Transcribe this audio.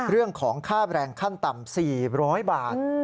เรื่องของค่าแรงขั้นต่ำ๔๐๐บาท